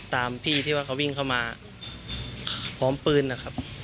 ตามที่ที่ว่าเขาวิ่งเข้ามาพร้อมปืนนะครับ